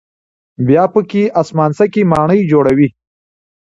بیا پکې آسمانڅکې ماڼۍ جوړوي.